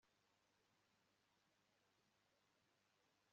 hagati y'umugaragu na shebuja byari byiza